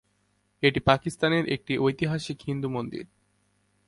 এটি পাকিস্তানের একটি ঐতিহাসিক হিন্দু মন্দির।